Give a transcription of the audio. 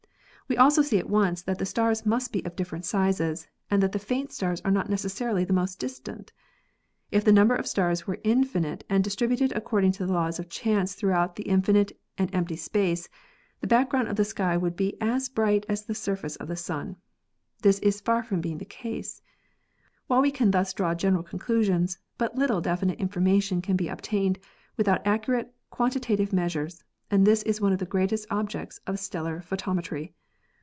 We also see at once that the stars must be of different sizes and that the faint stars are not necessarily the most distant. If the number of stars were infinite and distributed according to the laws of chance throughout infinite and empty space, the background of the sky would be as bright as the surface of the Sun. This is far from being the case. While we can thus draw gen eral conclusions, but little definite information can be obtained without accurate quantitative measures, and this is one of the greatest objects of stellar photometry.